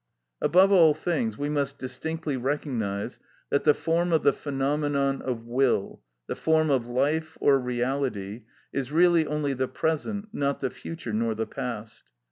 (64) Above all things, we must distinctly recognise that the form of the phenomenon of will, the form of life or reality, is really only the present, not the future nor the past.